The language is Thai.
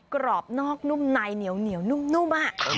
กรอบนอกนุ่มในเหนียวนุ่ม